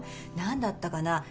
何だったかな？